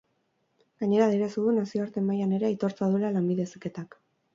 Gainera, adierazi du nazioarte mailan ere aitortza duela lanbide heziketak.